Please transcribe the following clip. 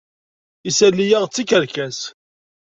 Isali-ya d tikerkas.